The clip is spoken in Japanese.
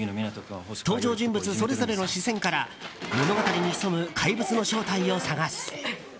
登場人物それぞれの視線から物語に潜む怪物の正体を探す。